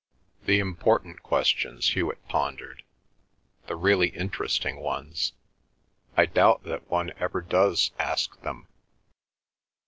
"The important questions," Hewet pondered, "the really interesting ones. I doubt that one ever does ask them."